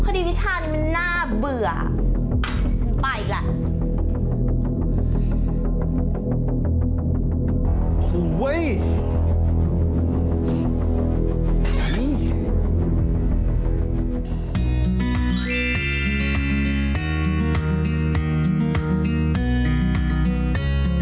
เพราะว่าวิชานี่มันน่าเบื่อฉันไปอีกแล้ว